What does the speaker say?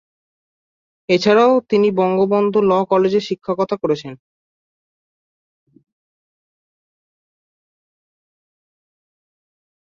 এছাড়াও তিনি বঙ্গবন্ধু 'ল' কলেজে শিক্ষকতা করেছেন।